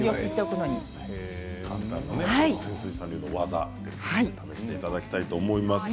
泉水さん流の技試していただきたいと思います。